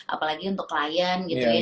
apalagi untuk klien gitu ya